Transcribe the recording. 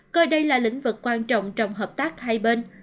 coi đây là lĩnh vực quan trọng trong hợp tác hai bên